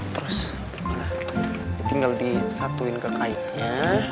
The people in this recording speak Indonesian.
terus tinggal disatuin ke kainnya